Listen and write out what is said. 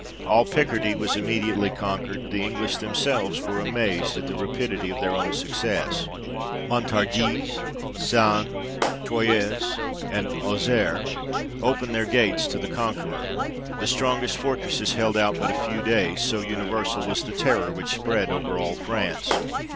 All Picardie was immediately conquered ; the English themselves were amazed at the rapidity of their own success. Montargis, Sens, Troyes, and Auxerre, opened their gates to the Conqueror. The strongest fortresses held out but a few days, so 60 THE REIGN OF GEORGE VI. universal was the terror which spread over all France.